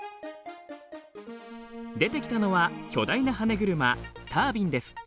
出てきたのは巨大なはね車タービンです。